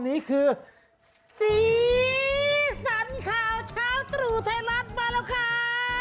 สีสันข่าวเช้าตรูไทยลัดมาแล้วค่ะ